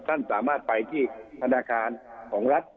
ท่านสามารถไปที่ธนาคารของรัฐ